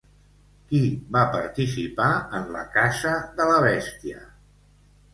Qui va participar en la caça de la bèstia?